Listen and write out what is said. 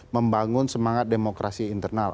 membangun semangat demokrasi internal